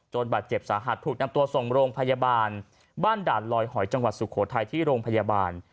บาดเจ็บสาหัสถูกนำตัวส่งโรงพยาบาลบ้านด่านลอยหอยจังหวัดสุโขทัยที่โรงพยาบาล